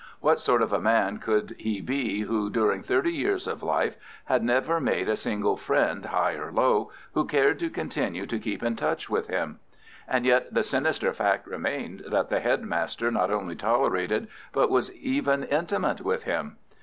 What sort of a man could he be who during thirty years of life had never made a single friend, high or low, who cared to continue to keep in touch with him? And yet the sinister fact remained that the head master not only tolerated, but was even intimate with him.